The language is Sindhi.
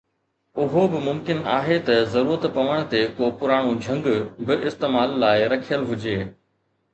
اهو به ممڪن آهي ته ضرورت پوڻ تي ڪو پراڻو جهنگ به استعمال لاءِ رکيل هجي.